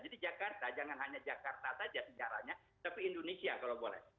jadi jakarta jangan hanya jakarta saja sejarahnya tapi indonesia kalau boleh